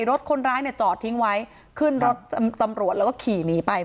รถคนร้ายเนี่ยจอดทิ้งไว้ขึ้นรถตำรวจแล้วก็ขี่หนีไป